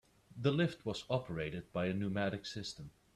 The lift was operated by a pneumatic system.